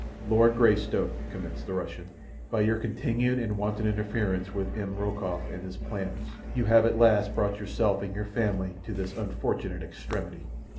"Lord Greystoke," commenced the Russian, "by your continued and wanton interference with M. Rokoff and his plans you have at last brought yourself and your family to this unfortunate extremity.